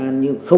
và nhiều sức khỏe